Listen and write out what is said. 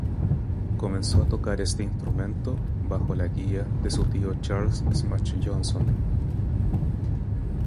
Comenzó a tocar este instrumento bajo la guía de su tío Charles "Smash" Johnson.